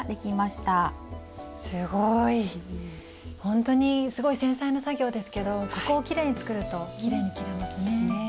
ほんとにすごい繊細な作業ですけどここをきれいに作るときれいに着れますね。